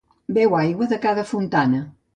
Beu aigua de cada fontana.